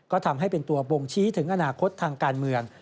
ก็ทำให้เป็นตัวบ่งชี้ถึงอนาคตทางการเมือง